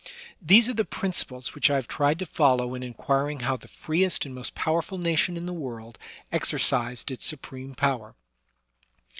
These are the principles which I have tried to follow in inquiring how the freest and most powerful nation in the world exercised its supreme power.